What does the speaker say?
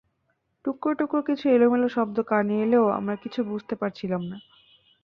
টুকরো টুকরো কিছু এলোমেলো শব্দ কানে এলেও আমরা কিছু বুঝতে পারছিলাম না।